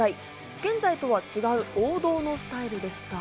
現在とは違う、王道のスタイルでした。